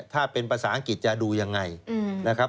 ถ้าเป็นภาษาอังกฤษจะดูยังไงนะครับ